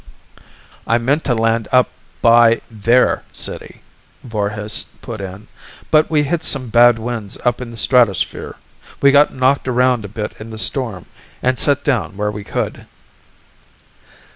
"I meant to land up by their city," Voorhis put in, "but we hit some bad winds up in the stratosphere. We got knocked around a bit in the storm, and set down where we could."